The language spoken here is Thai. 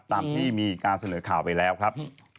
ตามที่มีการเสนอข่าวไปแล้วครับ